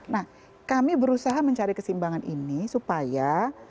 nah kami berusaha mencari kesimbangan ini supaya